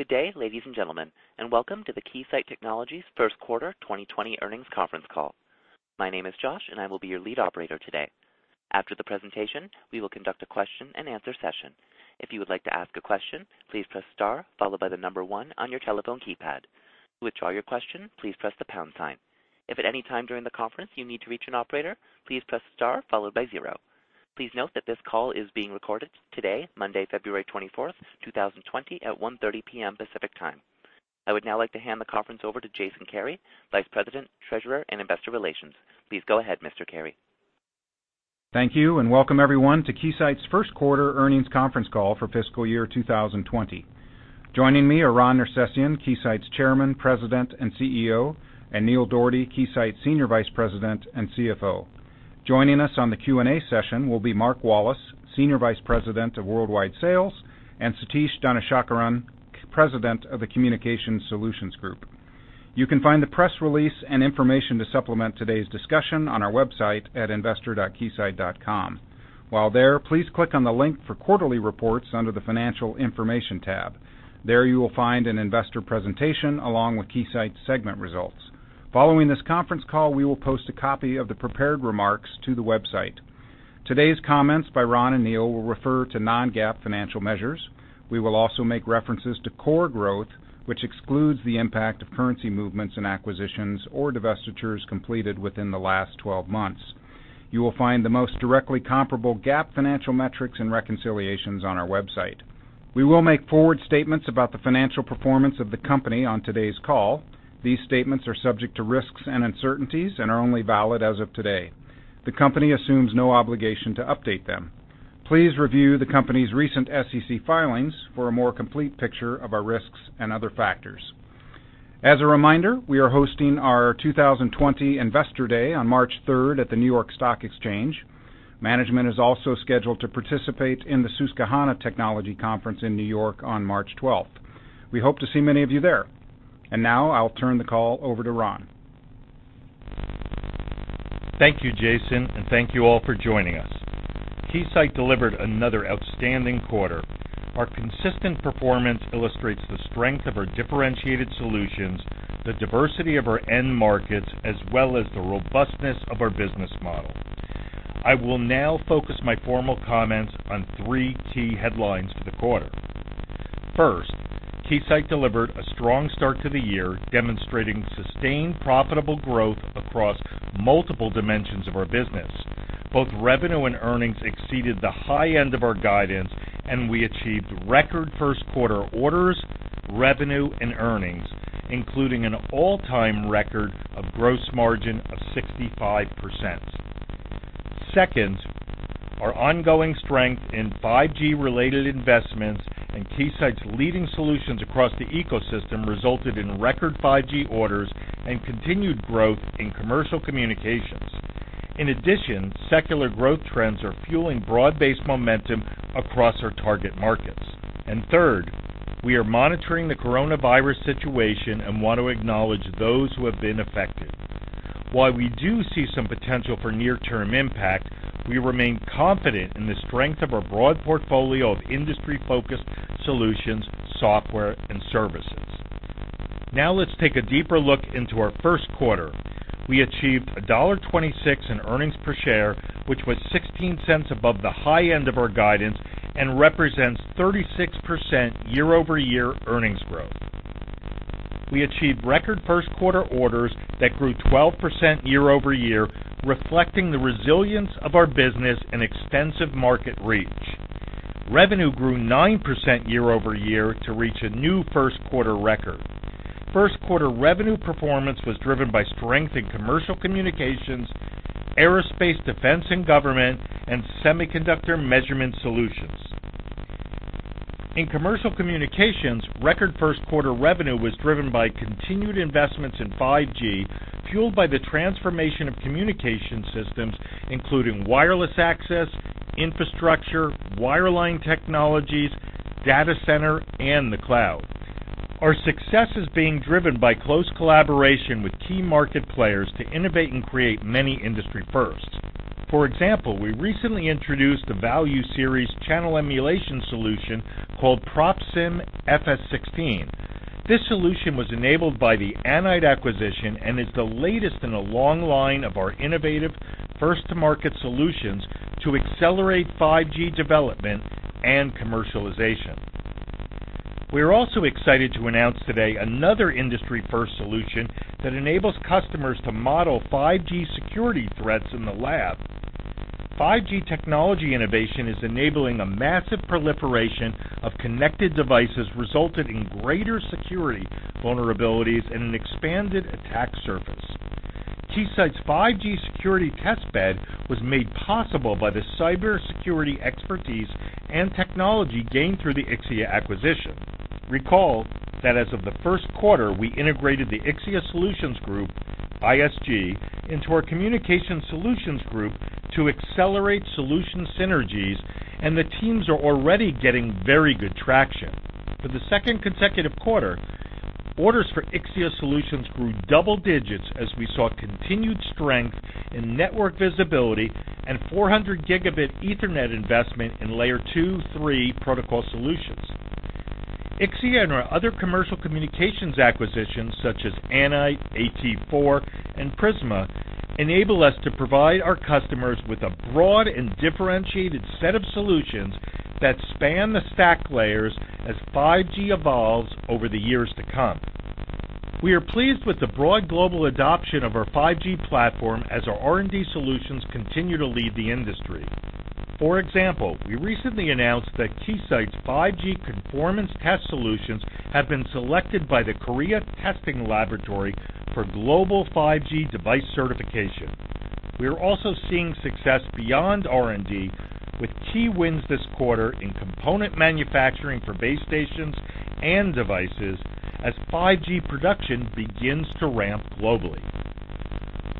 Good day, ladies and gentlemen, and welcome to the Keysight Technologies first quarter 2020 earnings conference call. My name is Josh and I will be your lead operator today. After the presentation, we will conduct a question and answer session. If you would like to ask a question, please press star followed by the number one on your telephone keypad. To withdraw your question, please press the pound sign. If at any time during the conference you need to reach an operator, please press star followed by zero. Please note that this call is being recorded today, Monday, February 24th, 2020 at 1:30 P.M. Pacific Time. I would now like to hand the conference over to Jason Kary, Vice President, Treasurer, and Investor Relations. Please go ahead, Mr. Kary. Thank you, and welcome everyone to Keysight's first quarter earnings conference call for fiscal year 2020. Joining me are Ron Nersesian, Keysight's Chairman, President, and CEO, and Neil Dougherty, Keysight Senior Vice President and CFO. Joining us on the Q&A session will be Mark Wallace, Senior Vice President of Worldwide Sales, and Satish Dhanasekaran, President of the Communications Solutions Group. You can find the press release and information to supplement today's discussion on our website at investor.keysight.com. While there, please click on the link for quarterly reports under the Financial Information tab. There you will find an investor presentation along with Keysight segment results. Following this conference call, we will post a copy of the prepared remarks to the website. Today's comments by Ron and Neil will refer to non-GAAP financial measures. We will also make references to core growth, which excludes the impact of currency movements and acquisitions or divestitures completed within the last 12 months. You will find the most directly comparable GAAP financial metrics and reconciliations on our website. We will make forward statements about the financial performance of the company on today's call. These statements are subject to risks and uncertainties and are only valid as of today. The company assumes no obligation to update them. Please review the company's recent SEC filings for a more complete picture of our risks and other factors. As a reminder, we are hosting our 2020 Investor Day on March 3rd at the New York Stock Exchange. Management is also scheduled to participate in the Susquehanna Technology Conference in N.Y. on March 12th. We hope to see many of you there. Now I'll turn the call over to Ron. Thank you, Jason, and thank you all for joining us. Keysight delivered another outstanding quarter. Our consistent performance illustrates the strength of our differentiated solutions, the diversity of our end markets, as well as the robustness of our business model. I will now focus my formal comments on three key headlines for the quarter. First, Keysight delivered a strong start to the year, demonstrating sustained profitable growth across multiple dimensions of our business. Both revenue and earnings exceeded the high end of our guidance. We achieved record first quarter orders, revenue, and earnings, including an all-time record of gross margin of 65%. Second, our ongoing strength in 5G-related investments and Keysight's leading solutions across the ecosystem resulted in record 5G orders and continued growth in commercial communications. In addition, secular growth trends are fueling broad-based momentum across our target markets. Third, we are monitoring the coronavirus situation and want to acknowledge those who have been affected. While we do see some potential for near-term impact, we remain confident in the strength of our broad portfolio of industry-focused solutions, software, and services. Let's take a deeper look into our first quarter. We achieved $1.26 in earnings per share, which was $0.16 above the high end of our guidance and represents 36% year-over-year earnings growth. We achieved record first quarter orders that grew 12% year-over-year, reflecting the resilience of our business and extensive market reach. Revenue grew 9% year-over-year to reach a new first quarter record. First quarter revenue performance was driven by strength in commercial communications, aerospace, defense and government, and semiconductor measurement solutions. In commercial communications, record first quarter revenue was driven by continued investments in 5G, fueled by the transformation of communication systems, including wireless access, infrastructure, wireline technologies, data center, and the cloud. Our success is being driven by close collaboration with key market players to innovate and create many industry firsts. For example, we recently introduced a value series channel emulation solution called PROPSIM FS16. This solution was enabled by the Anite acquisition and is the latest in a long line of our innovative first-to-market solutions to accelerate 5G development and commercialization. We are also excited to announce today another industry-first solution that enables customers to model 5G security threats in the lab. 5G technology innovation is enabling a massive proliferation of connected devices resulting in greater security vulnerabilities and an expanded attack surface. Keysight's 5G security test bed was made possible by the cybersecurity expertise and technology gained through the Ixia acquisition. Recall that as of the first quarter, we integrated the Ixia Solutions Group, ISG, into our Communication Solutions Group to accelerate solution synergies, and the teams are already getting very good traction. For the second consecutive quarter, orders for Ixia Solutions grew double digits as we saw continued strength in network visibility and 400 Gb Ethernet investment in layer two, three Protocol solutions. Ixia and our other commercial communications acquisitions such as Anite, AT4, and Prisma enable us to provide our customers with a broad and differentiated set of solutions that span the stack layers as 5G evolves over the years to come. We are pleased with the broad global adoption of our 5G platform as our R&D solutions continue to lead the industry. For example, we recently announced that Keysight's 5G conformance test solutions have been selected by the Korea Testing Laboratory for global 5G device certification. We are also seeing success beyond R&D with key wins this quarter in component manufacturing for base stations and devices as 5G production begins to ramp globally.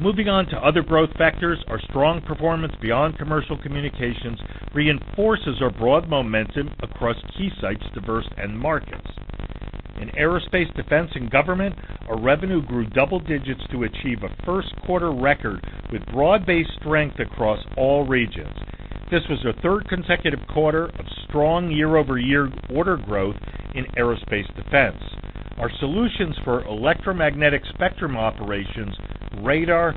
Moving on to other growth vectors, our strong performance beyond commercial communications reinforces our broad momentum across Keysight's diverse end markets. In aerospace, defense, and government, our revenue grew double digits to achieve a first-quarter record with broad-based strength across all regions. This was our third consecutive quarter of strong year-over-year order growth in aerospace defense. Our solutions for electromagnetic spectrum operations, radar,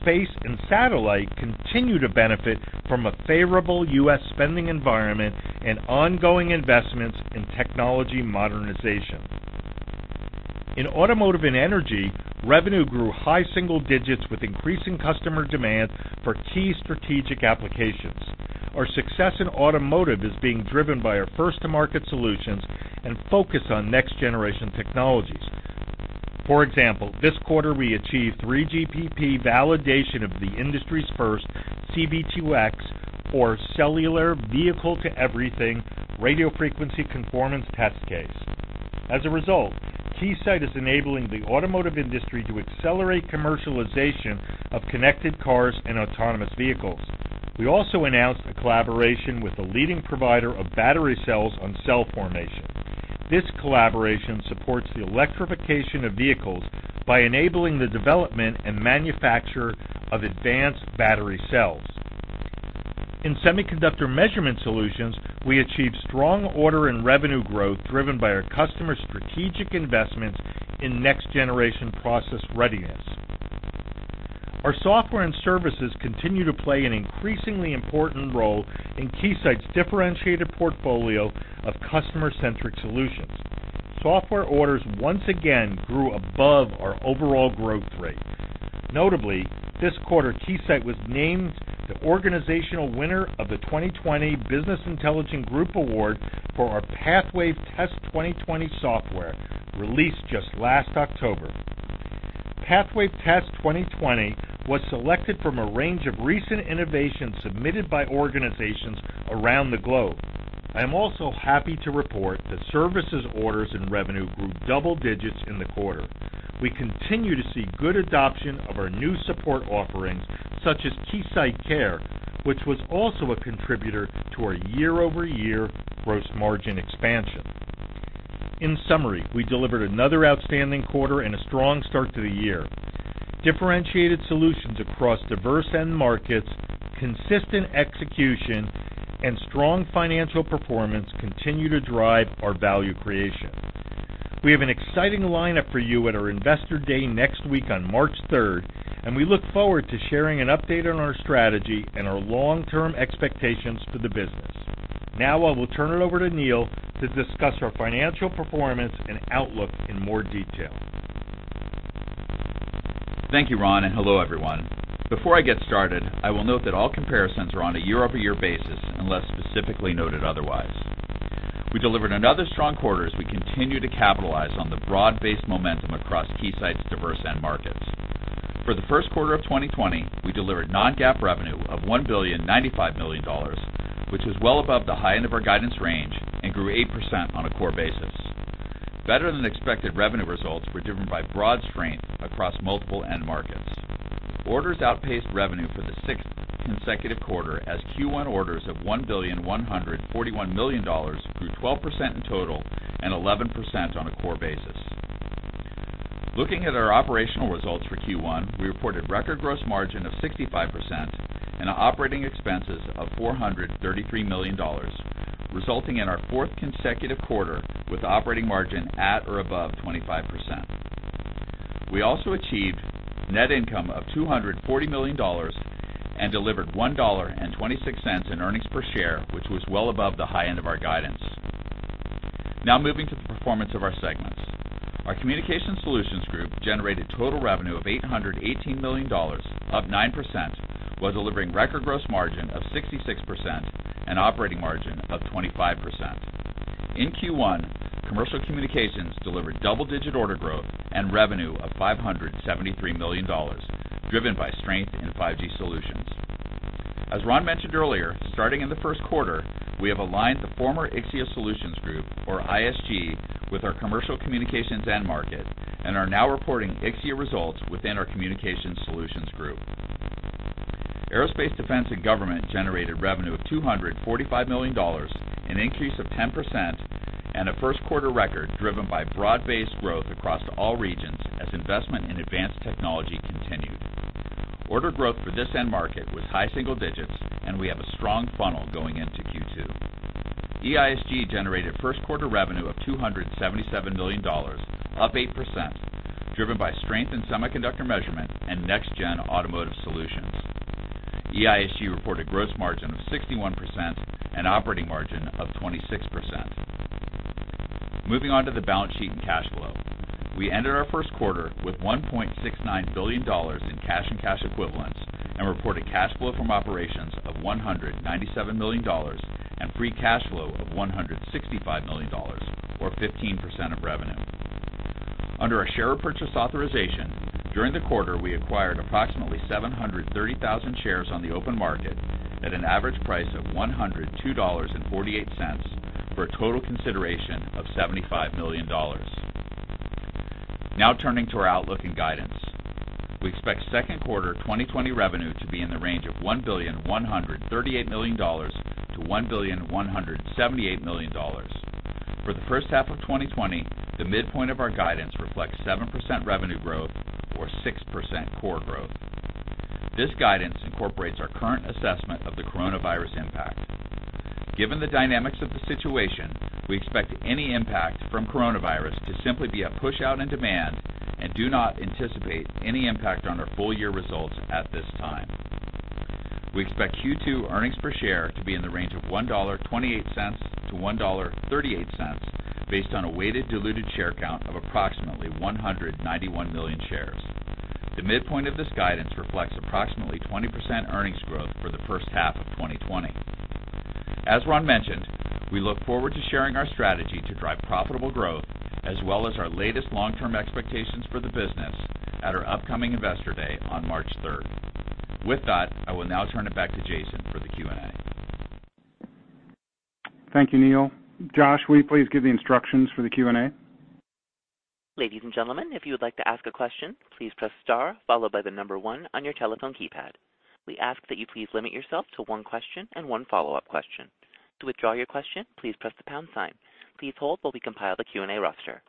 space, and satellite continue to benefit from a favorable U.S. spending environment and ongoing investments in technology modernization. In automotive and energy, revenue grew high single digits with increasing customer demand for key strategic applications. Our success in automotive is being driven by our first-to-market solutions and focus on next-generation technologies. For example, this quarter, we achieved 3GPP validation of the industry's first C-V2X or cellular vehicle-to-everything radio frequency conformance test case. As a result, Keysight is enabling the automotive industry to accelerate commercialization of connected cars and autonomous vehicles. We also announced a collaboration with a leading provider of battery cells on cell formation. This collaboration supports the electrification of vehicles by enabling the development and manufacture of advanced battery cells. In semiconductor measurement solutions, we achieved strong order and revenue growth driven by our customer strategic investments in next-generation process readiness. Our software and services continue to play an increasingly important role in Keysight's differentiated portfolio of customer-centric solutions. Software orders once again grew above our overall growth rate. Notably, this quarter, Keysight was named the organizational winner of the 2020 Business Intelligence Group Award for our PathWave Test 2020 software, released just last October. PathWave Test 2020 was selected from a range of recent innovations submitted by organizations around the globe. I am also happy to report that services orders and revenue grew double digits in the quarter. We continue to see good adoption of our new support offerings, such as KeysightCare, which was also a contributor to our year-over-year gross margin expansion. In summary, we delivered another outstanding quarter and a strong start to the year. Differentiated solutions across diverse end markets, consistent execution, and strong financial performance continue to drive our value creation. We have an exciting lineup for you at our Investor Day next week on March 3rd, and we look forward to sharing an update on our strategy and our long-term expectations for the business. Now, I will turn it over to Neil to discuss our financial performance and outlook in more detail. Thank you, Ron, and hello, everyone. Before I get started, I will note that all comparisons are on a year-over-year basis, unless specifically noted otherwise. We delivered another strong quarter as we continue to capitalize on the broad-based momentum across Keysight's diverse end markets. For the first quarter of 2020, we delivered non-GAAP revenue of $1.095 billion, which was well above the high end of our guidance range and grew 8% on a core basis. Better-than-expected revenue results were driven by broad strength across multiple end markets. Orders outpaced revenue for the sixth consecutive quarter as Q1 orders of $1.141 billion grew 12% in total and 11% on a core basis. Looking at our operational results for Q1, we reported record gross margin of 65% and operating expenses of $433 million, resulting in our fourth consecutive quarter with operating margin at or above 25%. We also achieved net income of $240 million and delivered $1.26 in earnings per share, which was well above the high end of our guidance. Moving to the performance of our segments. Our Communication Solutions Group generated total revenue of $818 million, up 9%, while delivering record gross margin of 66% and operating margin of 25%. In Q1, commercial communications delivered double-digit order growth and revenue of $573 million, driven by strength in 5G solutions. As Ron mentioned earlier, starting in the first quarter, we have aligned the former Ixia Solutions Group, or ISG, with our commercial communications end market and are now reporting Ixia results within our Communication Solutions Group. Aerospace, defense, and government generated revenue of $245 million, an increase of 10%, and a first quarter record driven by broad-based growth across all regions as investment in advanced technology continued. Order growth for this end market was high single digits, and we have a strong funnel going into Q2. EISG generated first-quarter revenue of $277 million, up 8%, driven by strength in semiconductor measurement and next-gen automotive solutions. EISG reported gross margin of 61% and operating margin of 26%. Moving on to the balance sheet and cash flow. We ended our first quarter with $1.69 billion in cash and cash equivalents and reported cash flow from operations of $197 million and free cash flow of $165 million, or 15% of revenue. Under our share repurchase authorization, during the quarter, we acquired approximately 730,000 shares on the open market at an average price of $102.48 for a total consideration of $75 million. Turning to our outlook and guidance. We expect second quarter 2020 revenue to be in the range of $1.138 billion-$1.178 billion. For the first half of 2020, the midpoint of our guidance reflects 7% revenue growth or 6% core growth. This guidance incorporates our current assessment of the coronavirus impact. Given the dynamics of the situation, we expect any impact from coronavirus to simply be a push-out in demand and do not anticipate any impact on our full-year results at this time. We expect Q2 earnings per share to be in the range of $1.28-$1.38 based on a weighted diluted share count of approximately 191 million shares. The midpoint of this guidance reflects approximately 20% earnings growth for the first half of 2020. As Ron mentioned, we look forward to sharing our strategy to drive profitable growth as well as our latest long-term expectations for the business at our upcoming Investor Day on March 3rd. With that, I will now turn it back to Jason for the Q&A. Thank you, Neil. Josh, will you please give the instructions for the Q&A? Ladies and gentlemen, if you would like to ask a question, please press star followed by the number one on your telephone keypad. We ask that you please limit yourself to one question and one follow-up question. To withdraw your question, please press the pound sign. Please hold while we compile the Q&A roster.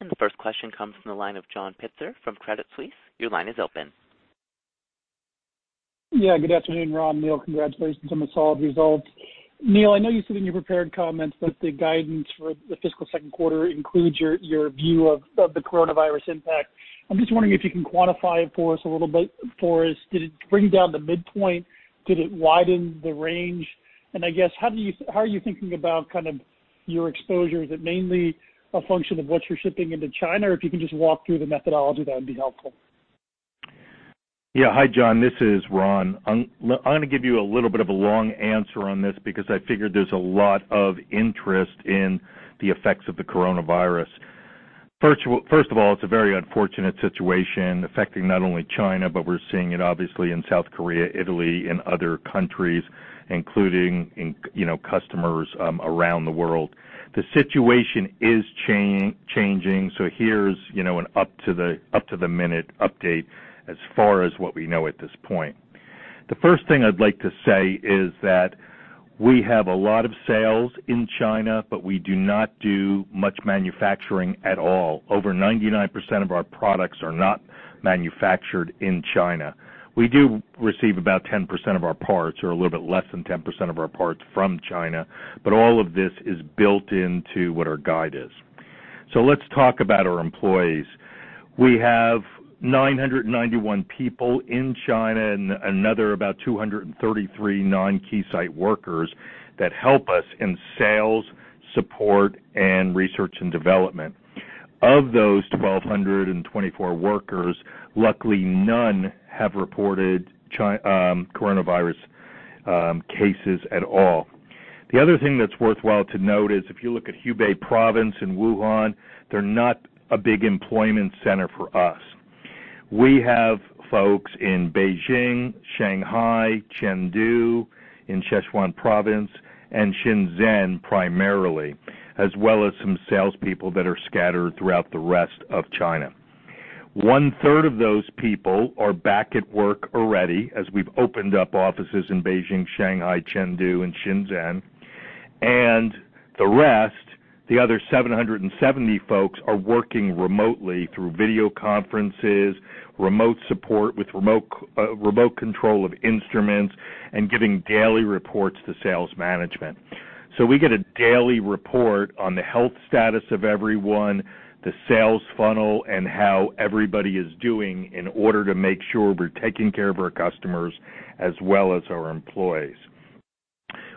The first question comes from the line of John Pitzer from Credit Suisse. Your line is open. Yeah, good afternoon, Ron, Neil. Congratulations on the solid results. Neil, I know you said in your prepared comments that the guidance for the fiscal second quarter includes your view of the coronavirus impact. I'm just wondering if you can quantify it for us a little bit. Did it bring down the midpoint? Did it widen the range? I guess, how are you thinking about kind of your exposure? Is it mainly a function of what you're shipping into China? If you can just walk through the methodology, that would be helpful. Hi, John. This is Ron. I'm going to give you a little bit of a long answer on this because I figure there's a lot of interest in the effects of the coronavirus. First of all, it's a very unfortunate situation affecting not only China, but we're seeing it obviously in South Korea, Italy, and other countries, including customers around the world. The situation is changing. Here's an up-to-the-minute update as far as what we know at this point. The first thing I'd like to say is that we have a lot of sales in China. We do not do much manufacturing at all. Over 99% of our products are not manufactured in China. We do receive about 10% of our parts or a little bit less than 10% of our parts from China. All of this is built into what our guide is. Let's talk about our employees. We have 991 people in China and another about 233 non-Keysight workers that help us in sales, support, and research and development. Of those 1,224 workers, luckily none have reported coronavirus cases at all. The other thing that's worthwhile to note is if you look at Hubei province in Wuhan, they're not a big employment center for us. We have folks in Beijing, Shanghai, Chengdu, in Sichuan province, and Shenzhen primarily, as well as some salespeople that are scattered throughout the rest of China. One-third of those people are back at work already as we've opened up offices in Beijing, Shanghai, Chengdu, and Shenzhen. The rest, the other 770 folks, are working remotely through video conferences, remote support with remote control of instruments, and giving daily reports to sales management. We get a daily report on the health status of everyone, the sales funnel, and how everybody is doing in order to make sure we're taking care of our customers as well as our employees.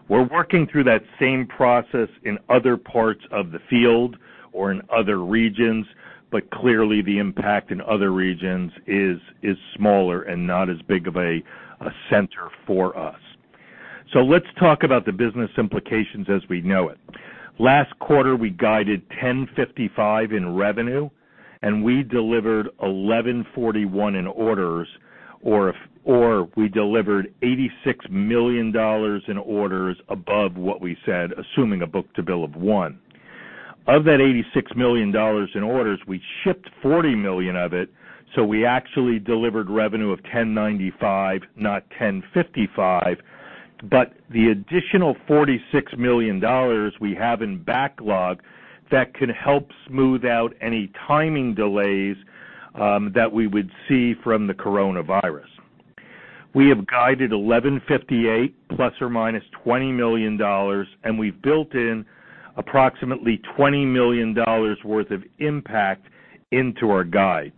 We're working through that same process in other parts of the field or in other regions, but clearly the impact in other regions is smaller and not as big of a center for us. Let's talk about the business implications as we know it. Last quarter, we guided $1,055 in revenue, and we delivered $1,141 in orders, or we delivered $86 million in orders above what we said, assuming a book-to-bill of one. Of that $86 million in orders, we shipped $40 million of it, so we actually delivered revenue of $1,095, not $1,055. The additional $46 million we have in backlog, that could help smooth out any timing delays that we would see from the coronavirus. We have guided $1,158 ±$20 million, and we've built in approximately $20 million worth of impact into our guide.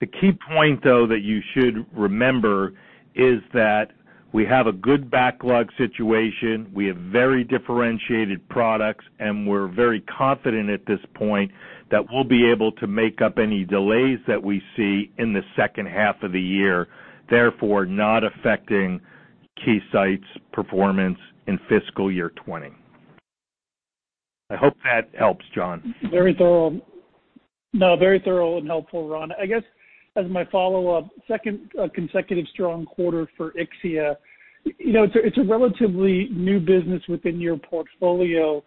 The key point, though, that you should remember is that we have a good backlog situation, we have very differentiated products, and we're very confident at this point that we'll be able to make up any delays that we see in the second half of the year, therefore, not affecting Keysight's performance in fiscal year 2020. I hope that helps, John. Very thorough. No, very thorough and helpful, Ron. I guess as my follow-up, second consecutive strong quarter for Ixia. It's a relatively new business within your portfolio.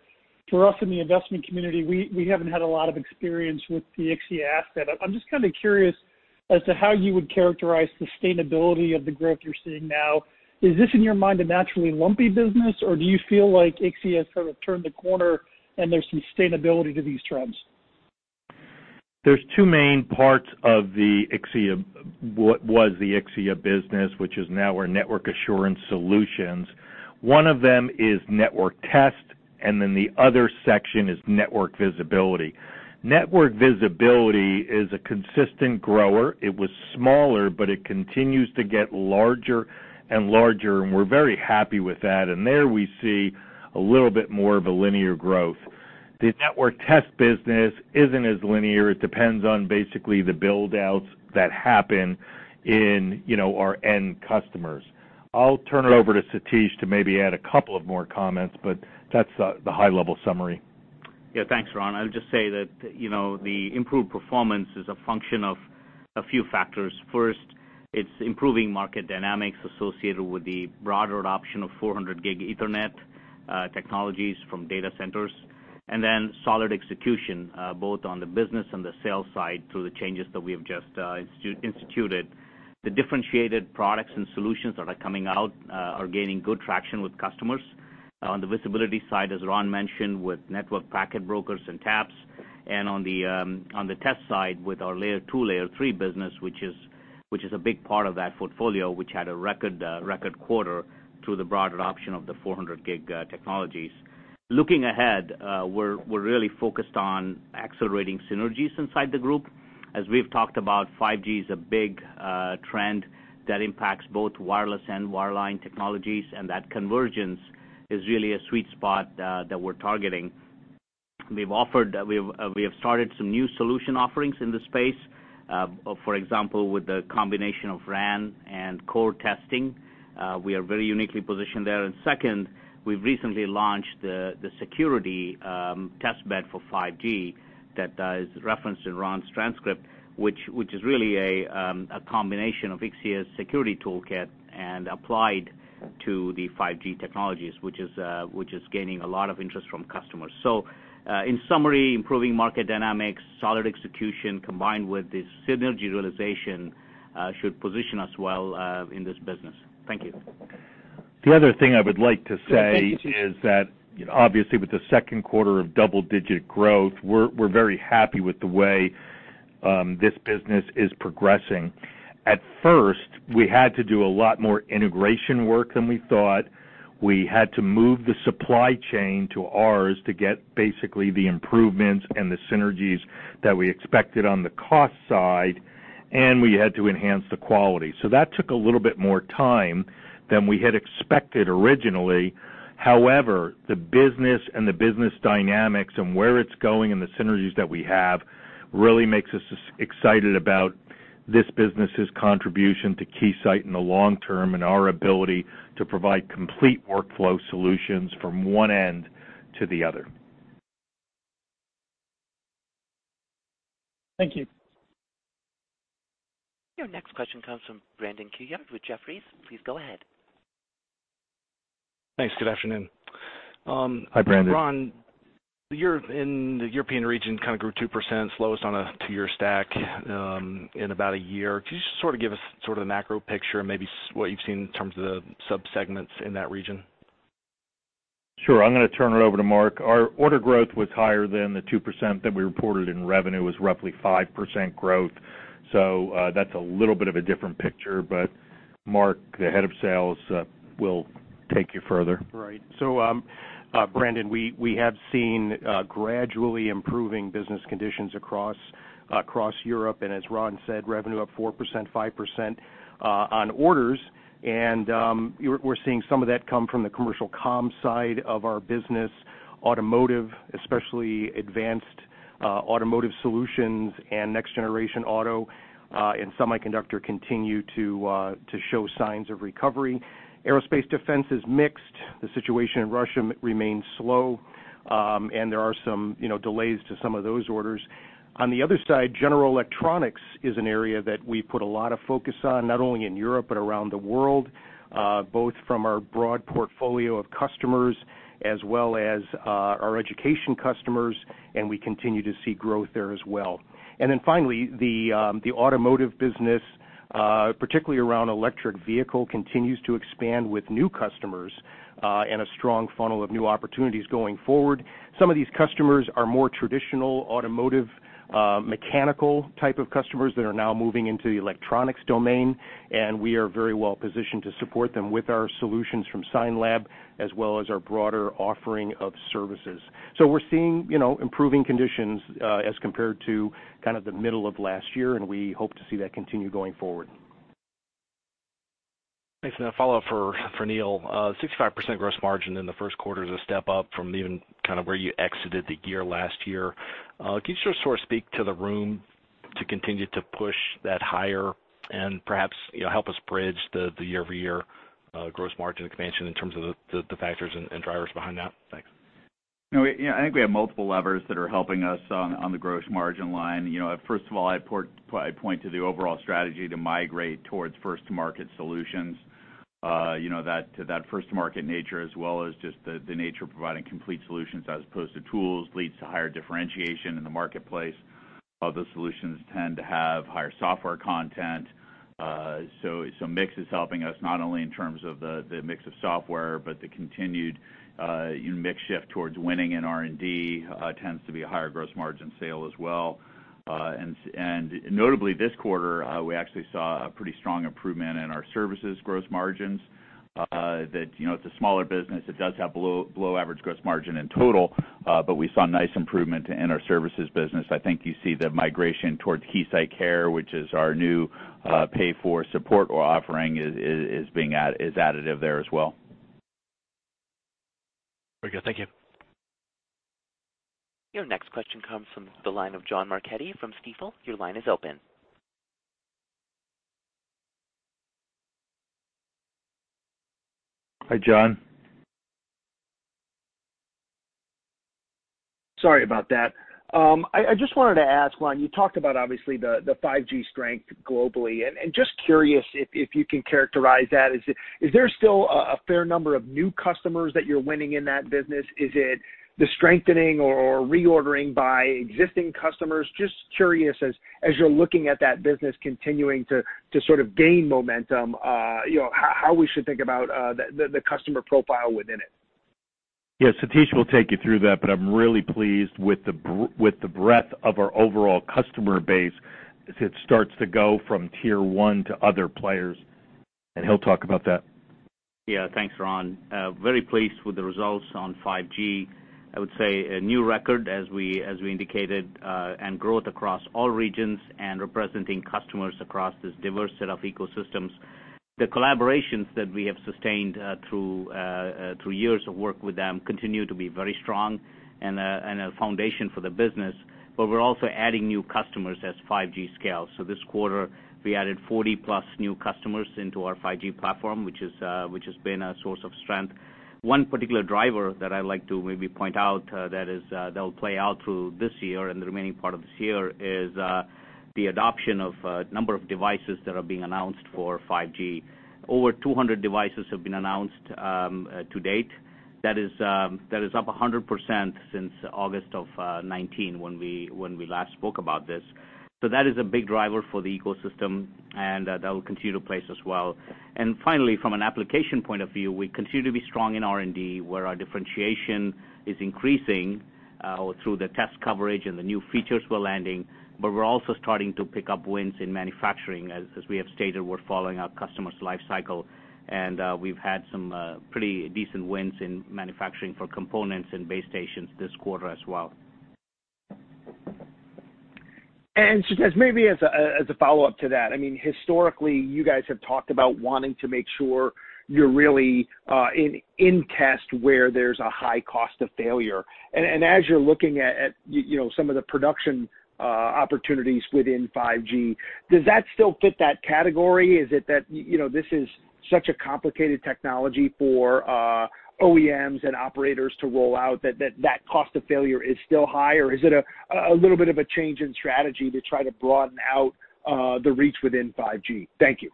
For us in the investment community, we haven't had a lot of experience with the Ixia asset. I'm just curious as to how you would characterize sustainability of the growth you're seeing now. Is this, in your mind, a naturally lumpy business, or do you feel like Ixia has sort of turned the corner and there's some sustainability to these trends? There's two main parts of what was the Ixia business, which is now our Network Assurance Solutions. One of them is network test, and then the other section is network visibility. Network visibility is a consistent grower. It was smaller, but it continues to get larger and larger, and we're very happy with that. There we see a little bit more of a linear growth. The network test business isn't as linear. It depends on basically the build-outs that happen in our end customers. I'll turn it over to Satish to maybe add a couple of more comments, but that's the high-level summary. Yeah. Thanks, Ron. I'll just say that the improved performance is a function of a few factors. First, it's improving market dynamics associated with the broader adoption of 400 Gb Ethernet technologies from data centers, and then solid execution, both on the business and the sales side through the changes that we have just instituted. The differentiated products and solutions that are coming out are gaining good traction with customers. On the visibility side, as Ron mentioned, with network packet brokers and taps, and on the test side with our layer two, layer three business, which is a big part of that portfolio, which had a record quarter through the broader adoption of the 400 Gb technologies. Looking ahead, we're really focused on accelerating synergies inside the group. As we've talked about, 5G is a big trend that impacts both wireless and wireline technologies, and that convergence is really a sweet spot that we're targeting. We have started some new solution offerings in the space. For example, with the combination of RAN and core testing, we are very uniquely positioned there. Second, we've recently launched the security test bed for 5G that is referenced in Ron's transcript, which is really a combination of Ixia's security toolkit and applied to the 5G technologies, which is gaining a lot of interest from customers. In summary, improving market dynamics, solid execution, combined with the synergy realization should position us well in this business. Thank you. The other thing I would like to say is that, obviously, with the second quarter of double-digit growth, we're very happy with the way this business is progressing. At first, we had to do a lot more integration work than we thought. We had to move the supply chain to ours to get basically the improvements and the synergies that we expected on the cost side, and we had to enhance the quality. That took a little bit more time than we had expected originally. However, the business and the business dynamics and where it's going and the synergies that we have really makes us excited about this business' contribution to Keysight in the long term and our ability to provide complete workflow solutions from one end to the other. Thank you. Your next question comes from Brandon Couillard with Jefferies. Please go ahead. Thanks. Good afternoon. Hi, Brandon. Ron, in the European region, kind of grew 2%, slowest on a two-year stack in about a year. Could you just sort of give us sort of the macro picture and maybe what you've seen in terms of the sub-segments in that region? Sure. I'm going to turn it over to Mark. Our order growth was higher than the 2% that we reported, and revenue was roughly 5% growth. That's a little bit of a different picture, but Mark, the Head of Sales, will take you further. Right. Brandon, we have seen gradually improving business conditions across Europe, as Ron said, revenue up 4%, 5% on orders. We're seeing some of that come from the commercial comms side of our business, automotive, especially advanced automotive solutions and next generation auto and semiconductor continue to show signs of recovery. Aerospace defense is mixed. The situation in Russia remains slow. There are some delays to some of those orders. On the other side, general electronics is an area that we put a lot of focus on, not only in Europe but around the world, both from our broad portfolio of customers as well as our education customers, we continue to see growth there as well. Finally, the automotive business, particularly around electric vehicle, continues to expand with new customers, a strong funnel of new opportunities going forward. Some of these customers are more traditional automotive mechanical type of customers that are now moving into the electronics domain, and we are very well positioned to support them with our solutions from Scienlab, as well as our broader offering of services. We're seeing improving conditions, as compared to kind of the middle of last year, and we hope to see that continue going forward. Thanks. A follow-up for Neil. 65% gross margin in the first quarter is a step up from even where you exited the year last year. Can you just sort of speak to the room to continue to push that higher and perhaps help us bridge the year-over-year gross margin expansion in terms of the factors and drivers behind that? Thanks. No, I think we have multiple levers that are helping us on the gross margin line. First of all, I'd point to the overall strategy to migrate towards first-to-market solutions. That first-to-market nature as well as just the nature of providing complete solutions as opposed to tools leads to higher differentiation in the marketplace. Other solutions tend to have higher software content. Mix is helping us not only in terms of the mix of software, but the continued mix shift towards winning in R&D tends to be a higher gross margin sale as well. Notably, this quarter, we actually saw a pretty strong improvement in our services gross margins, that it's a smaller business, it does have below average gross margin in total, but we saw nice improvement in our services business. I think you see the migration towards KeysightCare, which is our new pay-for-support offering is additive there as well. Very good. Thank you. Your next question comes from the line of John Marchetti from Stifel. Your line is open. Hi, John. Sorry about that. I just wanted to ask, Ron, you talked about obviously the 5G strength globally, and just curious if you can characterize that. Is there still a fair number of new customers that you're winning in that business? Is it the strengthening or reordering by existing customers? Just curious as you're looking at that business continuing to sort of gain momentum, how we should think about the customer profile within it. Yes, Satish will take you through that. I'm really pleased with the breadth of our overall customer base as it starts to go from Tier 1 to other players. He'll talk about that. Yeah. Thanks, Ron. Very pleased with the results on 5G. I would say a new record as we indicated, and growth across all regions and representing customers across this diverse set of ecosystems. The collaborations that we have sustained through years of work with them continue to be very strong and a foundation for the business, but we're also adding new customers as 5G scales. This quarter, we added 40+ new customers into our 5G platform, which has been a source of strength. One particular driver that I like to maybe point out that'll play out through this year and the remaining part of this year is the adoption of a number of devices that are being announced for 5G. Over 200 devices have been announced to date. That is up 100% since August of 2019 when we last spoke about this. That is a big driver for the ecosystem, and that will continue to place as well. Finally, from an application point of view, we continue to be strong in R&D where our differentiation is increasing, through the test coverage and the new features we're landing. We're also starting to pick up wins in manufacturing. As we have stated, we're following our customer's life cycle and we've had some pretty decent wins in manufacturing for components and base stations this quarter as well. Satish, maybe as a follow-up to that, historically, you guys have talked about wanting to make sure you're really in test where there's a high cost of failure. As you're looking at some of the production opportunities within 5G, does that still fit that category? Is it that this is such a complicated technology for OEMs and operators to roll out that cost of failure is still high, or is it a little bit of a change in strategy to try to broaden out the reach within 5G? Thank you.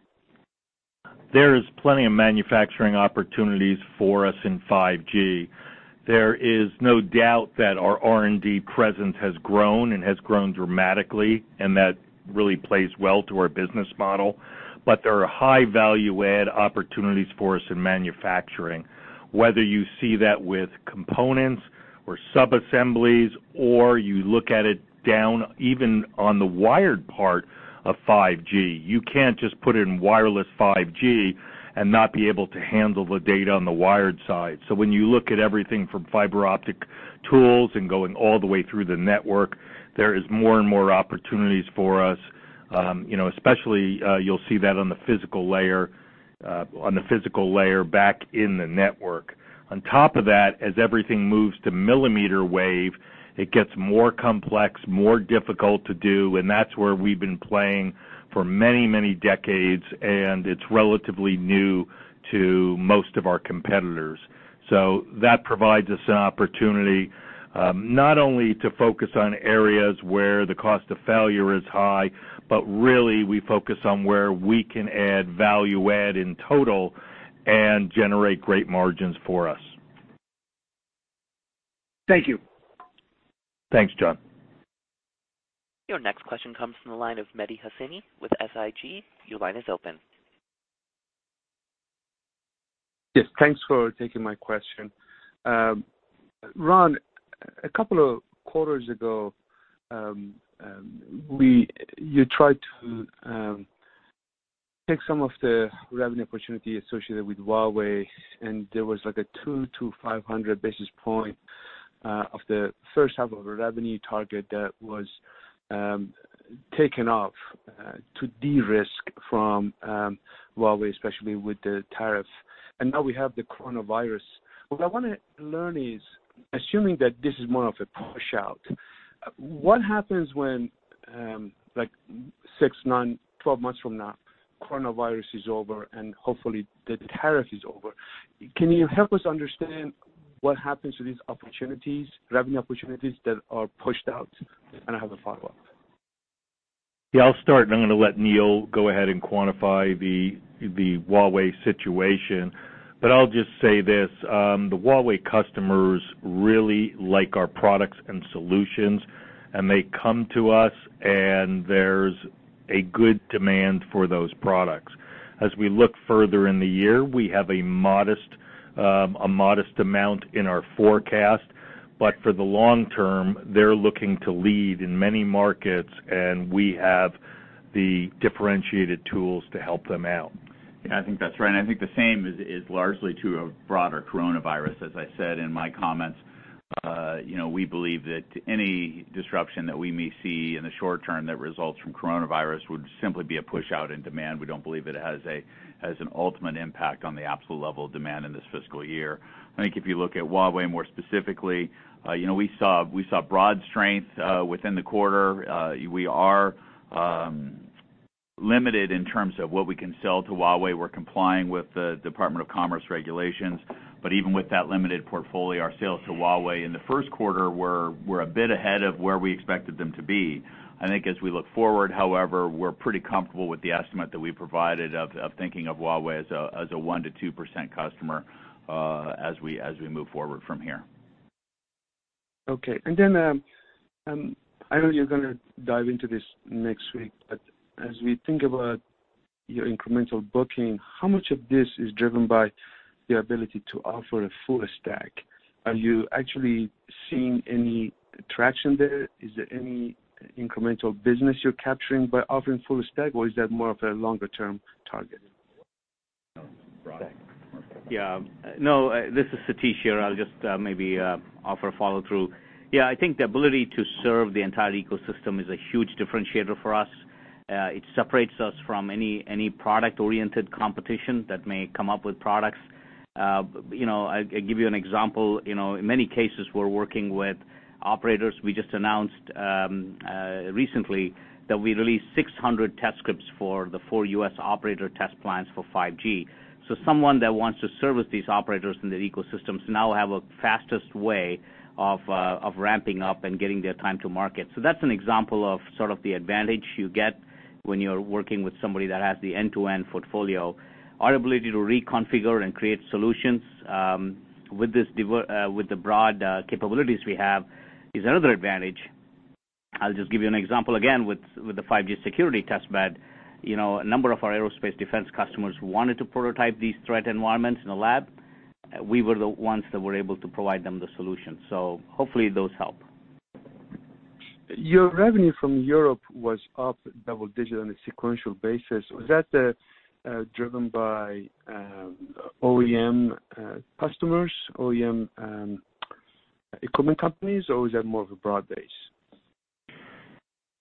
There is plenty of manufacturing opportunities for us in 5G. There is no doubt that our R&D presence has grown and has grown dramatically. That really plays well to our business model. There are high value add opportunities for us in manufacturing. Whether you see that with components or sub-assemblies, or you look at it down even on the wired part of 5G, you can't just put in wireless 5G and not be able to handle the data on the wired side. When you look at everything from fiber optic tools and going all the way through the network, there is more and more opportunities for us. Especially, you'll see that on the physical layer. On the physical layer back in the network. As everything moves to millimeter wave, it gets more complex, more difficult to do, and that's where we've been playing for many, many decades, and it's relatively new to most of our competitors. That provides us an opportunity, not only to focus on areas where the cost of failure is high, but really, we focus on where we can add value add in total and generate great margins for us. Thank you. Thanks, John. Your next question comes from the line of Mehdi Hosseini with SIG. Your line is open. Yes, thanks for taking my question. Ron, a couple of quarters ago, you tried to take some of the revenue opportunity associated with Huawei. There was like a 200-500 basis points of the first half of the revenue target that was taken off to de-risk from Huawei, especially with the tariff, and now we have the coronavirus. What I want to learn is, assuming that this is more of a push out, what happens when like six, nine, 12 months from now, coronavirus is over and hopefully the tariff is over. Can you help us understand what happens to these revenue opportunities that are pushed out? I have a follow-up. Yeah, I'll start, and I'm going to let Neil go ahead and quantify the Huawei situation. I'll just say this, the Huawei customers really like our products and solutions, and they come to us, and there's a good demand for those products. As we look further in the year, we have a modest amount in our forecast, but for the long term, they're looking to lead in many markets, and we have the differentiated tools to help them out. Yeah, I think that's right. I think the same is largely to a broader coronavirus. As I said in my comments, we believe that any disruption that we may see in the short term that results from coronavirus would simply be a push out in demand. We don't believe it has an ultimate impact on the absolute level of demand in this fiscal year. I think if you look at Huawei more specifically, we saw broad strength within the quarter. We are limited in terms of what we can sell to Huawei. We're complying with the Department of Commerce regulations. Even with that limited portfolio, our sales to Huawei in the first quarter were a bit ahead of where we expected them to be. I think as we look forward, however, we're pretty comfortable with the estimate that we provided of thinking of Huawei as a 1%-2% customer as we move forward from here. Okay. I know you're going to dive into this next week, as we think about your incremental booking, how much of this is driven by the ability to offer a full stack? Are you actually seeing any traction there? Is there any incremental business you're capturing by offering full stack, or is that more of a longer-term target? No, this is Satish here. I'll just maybe offer a follow-through. Yeah, I think the ability to serve the entire ecosystem is a huge differentiator for us. It separates us from any product-oriented competition that may come up with products. I'll give you an example. In many cases, we're working with operators. We just announced recently that we released 600 test scripts for the four U.S. operator test plans for 5G. Someone that wants to service these operators in their ecosystems now have a fastest way of ramping up and getting their time to market. That's an example of sort of the advantage you get when you're working with somebody that has the end-to-end portfolio. Our ability to reconfigure and create solutions with the broad capabilities we have is another advantage. I'll just give you an example again with the 5G security test bed. A number of our aerospace defense customers wanted to prototype these threat environments in a lab. We were the ones that were able to provide them the solution. Hopefully those help. Your revenue from Europe was up double-digit on a sequential basis. Was that driven by OEM customers, OEM equipment companies, or is that more of a broad base?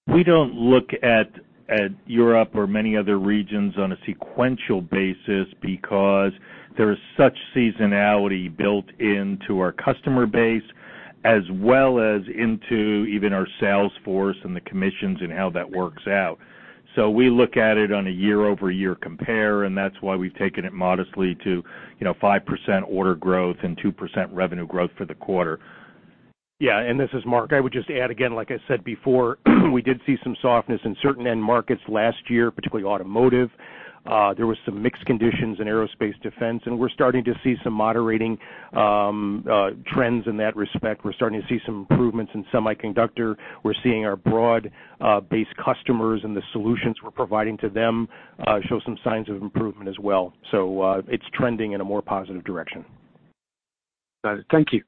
We don't look at Europe or many other regions on a sequential basis because there is such seasonality built into our customer base, as well as into even our sales force and the commissions and how that works out. We look at it on a year-over-year compare, and that's why we've taken it modestly to 5% order growth and 2% revenue growth for the quarter. Yeah, this is Mark. I would just add again, like I said before, we did see some softness in certain end markets last year, particularly automotive. There was some mixed conditions in aerospace defense, we're starting to see some moderating trends in that respect. We're starting to see some improvements in semiconductor. We're seeing our broad-based customers and the solutions we're providing to them show some signs of improvement as well. It's trending in a more positive direction. Got it. Thank you.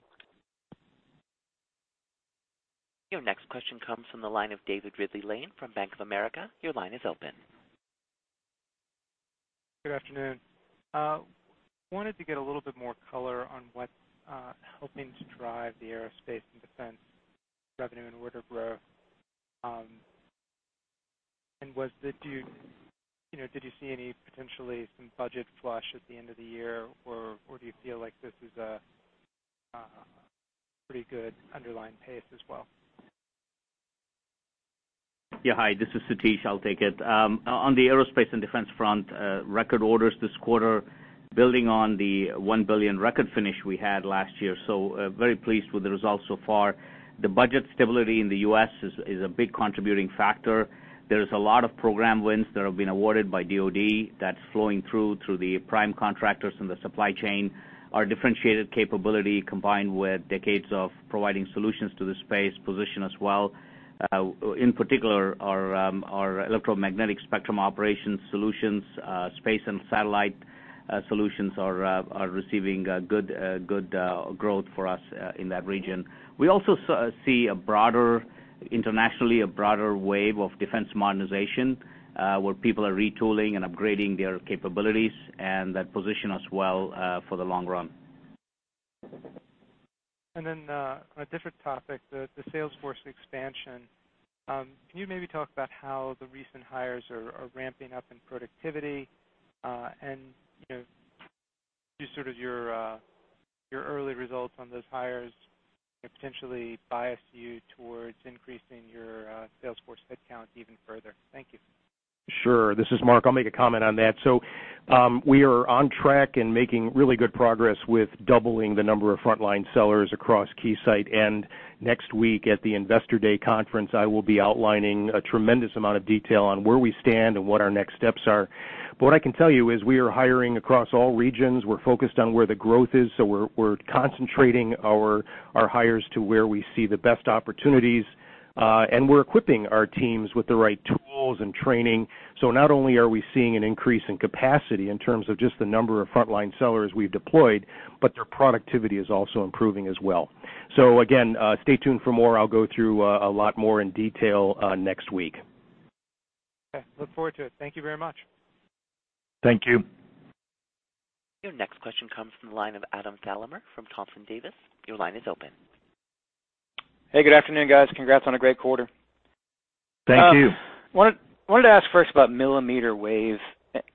Your next question comes from the line of David Ridley-Lane from Bank of America. Your line is open. Good afternoon. I wanted to get a little bit more color on what's helping to drive the aerospace and defense revenue and order growth. Did you see any potentially some budget flush at the end of the year, or do you feel like this is a pretty good underlying pace as well? Hi, this is Satish. I'll take it. On the aerospace and defense front, record orders this quarter building on the $1 billion record finish we had last year. Very pleased with the results so far. The budget stability in the U.S. is a big contributing factor. There is a lot of program wins that have been awarded by DoD that's flowing through to the prime contractors in the supply chain. Our differentiated capability, combined with decades of providing solutions to the space position as well. In particular, our electromagnetic spectrum operations solutions, space and satellite solutions are receiving good growth for us in that region. We also see, internationally, a broader wave of defense modernization, where people are retooling and upgrading their capabilities, and that position us well for the long run. On a different topic, the sales force expansion. Can you maybe talk about how the recent hires are ramping up in productivity? Do your early results on those hires potentially bias you towards increasing your sales force headcount even further? Thank you. Sure. This is Mark. I'll make a comment on that. We are on track and making really good progress with doubling the number of frontline sellers across Keysight. Next week at the Investor Day conference, I will be outlining a tremendous amount of detail on where we stand and what our next steps are. What I can tell you is we are hiring across all regions. We're focused on where the growth is, so we're concentrating our hires to where we see the best opportunities. We're equipping our teams with the right tools and training. Not only are we seeing an increase in capacity in terms of just the number of frontline sellers we've deployed, but their productivity is also improving as well. Again, stay tuned for more. I'll go through a lot more in detail next week. Okay. Look forward to it. Thank you very much. Thank you. Your next question comes from the line of Adam Thalhimer from Thompson Davis. Your line is open. Hey, good afternoon, guys. Congrats on a great quarter. Thank you. Wanted to ask first about millimeter wave,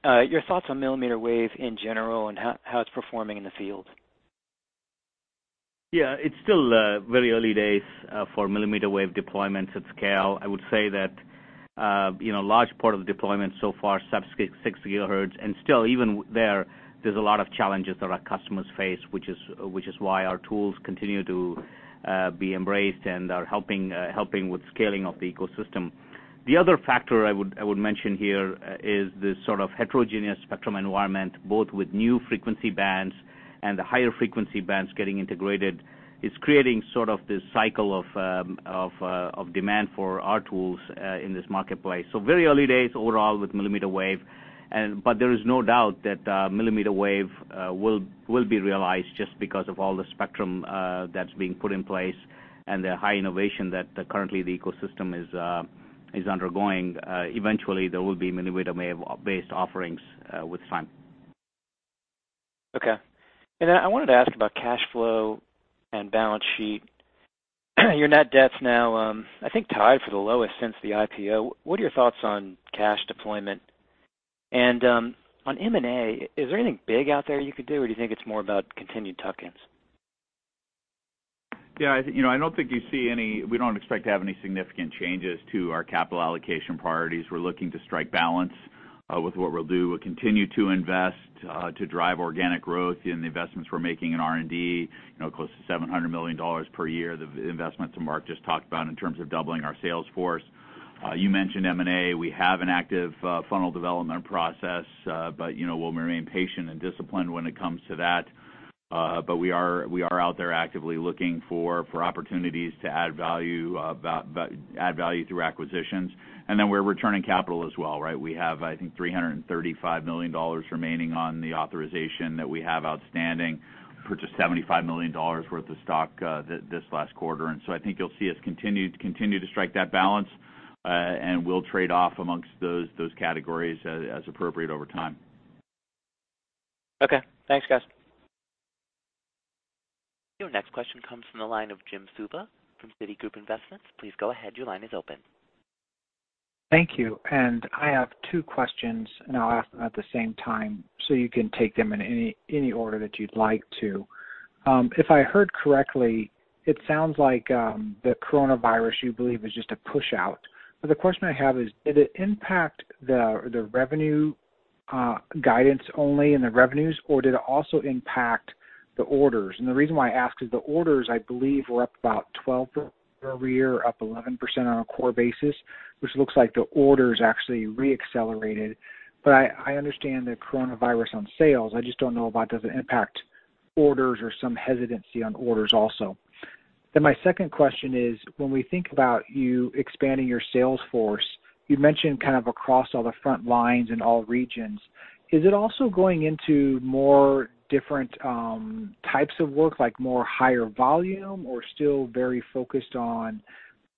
your thoughts on millimeter wave in general and how it's performing in the field? Yeah, it's still very early days for millimeter wave deployments at scale. I would say that a large part of the deployment so far, sub-6 GHz. Still even there's a lot of challenges that our customers face, which is why our tools continue to be embraced and are helping with scaling of the ecosystem. The other factor I would mention here is this sort of heterogeneous spectrum environment, both with new frequency bands and the higher frequency bands getting integrated, is creating sort of this cycle of demand for our tools in this marketplace. Very early days overall with millimeter wave. There is no doubt that millimeter wave will be realized just because of all the spectrum that's being put in place and the high innovation that currently the ecosystem is undergoing. Eventually, there will be millimeter wave-based offerings with time. Okay. I wanted to ask about cash flow and balance sheet. Your net debt's now, I think, tied for the lowest since the IPO. What are your thoughts on cash deployment? On M&A, is there anything big out there you could do, or do you think it's more about continued tuck-ins? We don't expect to have any significant changes to our capital allocation priorities. We're looking to strike balance with what we'll do. We'll continue to invest to drive organic growth in the investments we're making in R&D, close to $700 million per year, the investments that Mark just talked about in terms of doubling our sales force. You mentioned M&A. We have an active funnel development process, but we'll remain patient and disciplined when it comes to that. We are out there actively looking for opportunities to add value through acquisitions. We're returning capital as well, right? We have, I think, $335 million remaining on the authorization that we have outstanding, purchased $75 million worth of stock this last quarter. I think you'll see us continue to strike that balance, and we'll trade off amongst those categories as appropriate over time. Okay. Thanks, guys. Your next question comes from the line of Jim Suva from Citigroup Investments. Please go ahead. Your line is open. Thank you. I have two questions. I'll ask them at the same time, you can take them in any order that you'd like to. If I heard correctly, it sounds like the coronavirus, you believe, is just a push-out. The question I have is, did it impact the revenue guidance only in the revenues, or did it also impact the orders? The reason why I ask is the orders, I believe, were up about 12% year-over-year, up 11% on a core basis, which looks like the orders actually re-accelerated. I understand the coronavirus on sales. I just don't know about, does it impact orders or some hesitancy on orders also? My second question is, when we think about you expanding your sales force, you mentioned kind of across all the front lines in all regions. Is it also going into more different types of work, like more higher volume, or still very focused on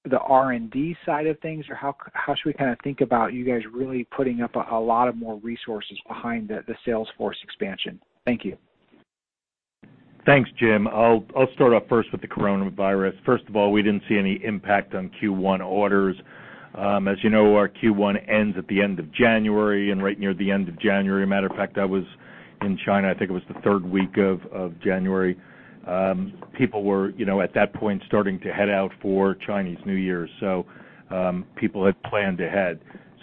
the R&D side of things? How should we think about you guys really putting up a lot of more resources behind the sales force expansion? Thank you. Thanks, Jim. I'll start off first with the coronavirus. First of all, we didn't see any impact on Q1 orders. As you know, our Q1 ends at the end of January, and right near the end of January, matter of fact, I was in China. I think it was the third week of January. People were, at that point, starting to head out for Chinese New Year, so people had planned ahead.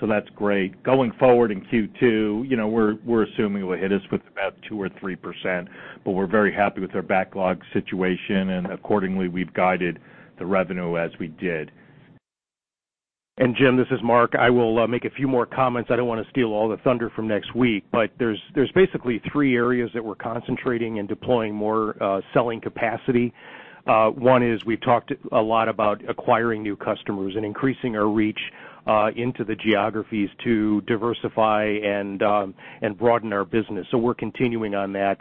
That's great. Going forward in Q2, we're assuming it will hit us with about 2% or 3%, but we're very happy with our backlog situation, and accordingly, we've guided the revenue as we did. Jim, this is Mark. I will make a few more comments. I don't want to steal all the thunder from next week, but there's basically three areas that we're concentrating and deploying more selling capacity. One is we've talked a lot about acquiring new customers and increasing our reach into the geographies to diversify and broaden our business. We're continuing on that.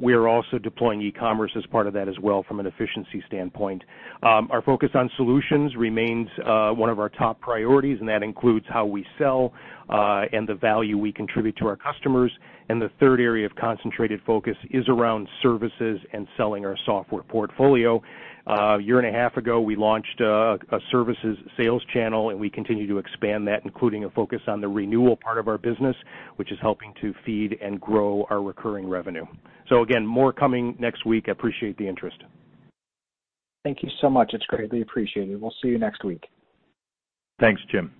We are also deploying e-commerce as part of that as well from an efficiency standpoint. Our focus on solutions remains one of our top priorities, and that includes how we sell and the value we contribute to our customers. The third area of concentrated focus is around services and selling our software portfolio. A year and a half ago, we launched a services sales channel, and we continue to expand that, including a focus on the renewal part of our business, which is helping to feed and grow our recurring revenue. Again, more coming next week. I appreciate the interest. Thank you so much. It's greatly appreciated. We'll see you next week. Thanks, Jim.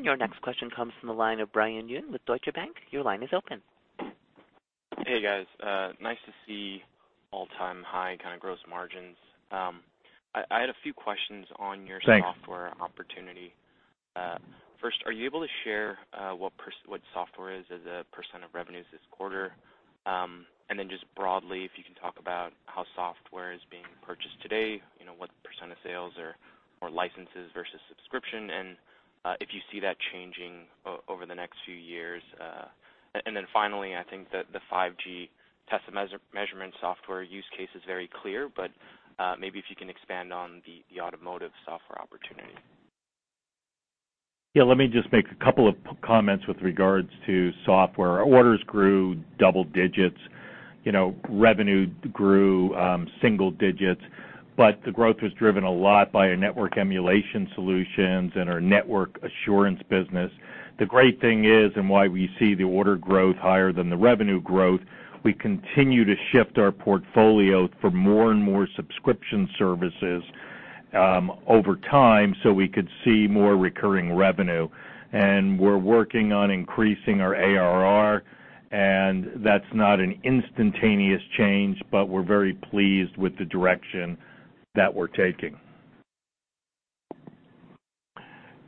Your next question comes from the line of Brian Yun with Deutsche Bank. Your line is open. Hey, guys. Nice to see all-time high kind of gross margins. I had a few questions on. Thanks software opportunity. First, are you able to share what software is as a percent of revenues this quarter? Then just broadly, if you can talk about how software is being purchased today, what percent of sales are more licenses versus subscription, and if you see that changing over the next few years. Then finally, I think that the 5G test measurement software use case is very clear, but maybe if you can expand on the automotive software opportunity. Yeah, let me just make a couple of comments with regards to software. Our orders grew double digits, revenue grew single digits, but the growth was driven a lot by our network emulation solutions and our Network Assurance Solutions business. The great thing is, and why we see the order growth higher than the revenue growth, we continue to shift our portfolio for more and more subscription services over time so we could see more recurring revenue. We're working on increasing our ARR, and that's not an instantaneous change, but we're very pleased with the direction that we're taking.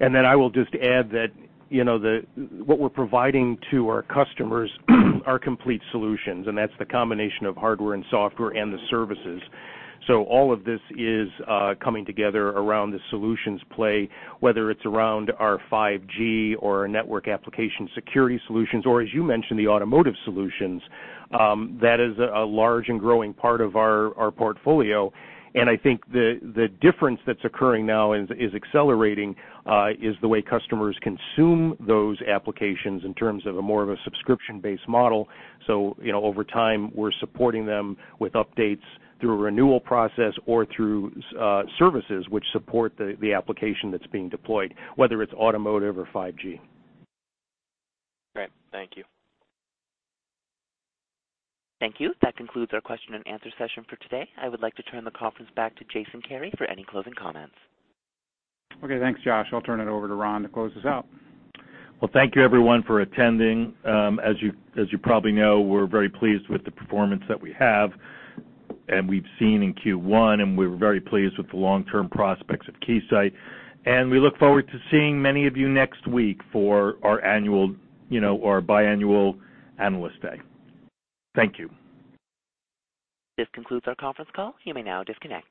I will just add that what we're providing to our customers are complete solutions, and that's the combination of hardware and software and the services. All of this is coming together around the solutions play, whether it's around our 5G or our network application security solutions, or as you mentioned, the automotive solutions. That is a large and growing part of our portfolio, and I think the difference that's occurring now is accelerating, is the way customers consume those applications in terms of a more of a subscription-based model. Over time, we're supporting them with updates through a renewal process or through services which support the application that's being deployed, whether it's automotive or 5G. Great. Thank you. Thank you. That concludes our question and answer session for today. I would like to turn the conference back to Jason Kary for any closing comments. Okay, thanks, Josh. I'll turn it over to Ron to close us out. Well, thank you everyone for attending. As you probably know, we're very pleased with the performance that we have and we've seen in Q1, and we're very pleased with the long-term prospects of Keysight. We look forward to seeing many of you next week for our biannual Analyst Day. Thank you. This concludes our conference call. You may now disconnect.